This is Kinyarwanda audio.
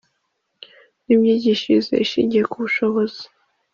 n’imyigishirize ishingiye ku bushobozi,